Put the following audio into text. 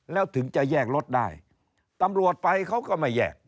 แล้วถึงจะแยกรถได้ตำรวจไปเขาก็ไม่แยก